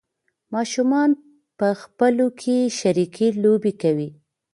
ماشومان په خپلو کې شریکې لوبې کوي.